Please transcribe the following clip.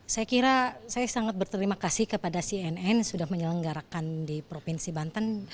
saya kira saya sangat berterima kasih kepada cnn sudah menyelenggarakan di provinsi banten